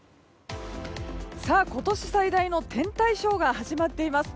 今年最大の天体ショーが始まっています。